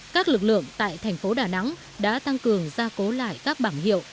các lực lượng tại thành phố đà nẵng đã tăng cường gia cố lại các bảng hiệu